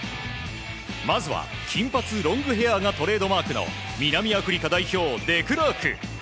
まずは、金髪ロングヘアがトレードマークの南アフリカ代表デクラーク。